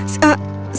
siapa namamu tuan